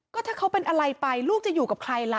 ก็ถ้าเขาเป็นอะไรไปลูกจะอยู่กับใครล่ะ